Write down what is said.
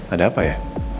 ada apa ya